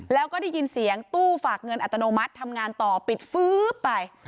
แล้วก็ได้ยินเสียงตู้ฝากเงินอัตโนมัติทำงานต่อปิดฟื๊บไป